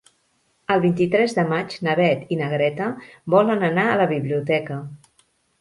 El vint-i-tres de maig na Beth i na Greta volen anar a la biblioteca.